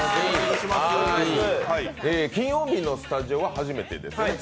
金曜日のスタジオは初めてですね。